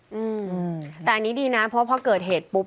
อืมแต่อันนี้ดีนะเพราะพอเกิดเหตุปุ๊บ